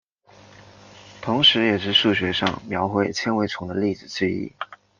同时也是数学上描绘纤维丛的例子之一。